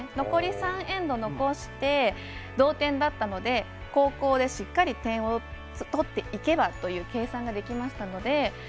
残り３エンド残して同点だったので後攻でしっかり点を取っていけばという計算ができましたので。